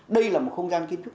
đây là một không gian kiên trúc